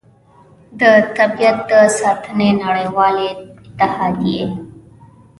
د طبیعت د ساتنې نړیوالې اتحادیې